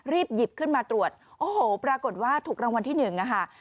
หยิบขึ้นมาตรวจโอ้โหปรากฏว่าถูกรางวัลที่หนึ่งอะค่ะ